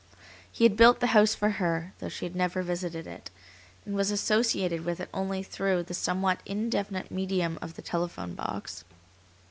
He had built the house for her, though she had never visited it, and was associated with it only through the somewhat indefinite medium of the telephone box.